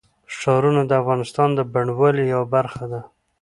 ښارونه د افغانستان د بڼوالۍ یوه برخه ده.